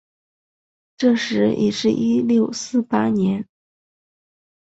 这时已是一六四八年。